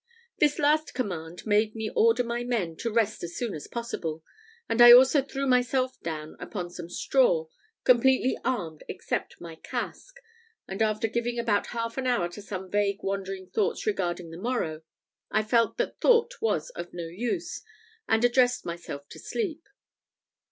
This last command made me order my men to rest as soon as possible; and I also threw myself down upon some straw, completely armed except my casque; and after giving about half an hour to some vague wandering thoughts regarding the morrow, I felt that thought was of no use, and addressed myself to sleep.